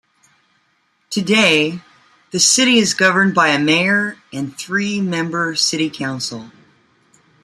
Today, the city is governed by a mayor and three-member city council.